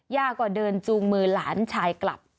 ย่าก็เดินจูงมือหลานชายกลับ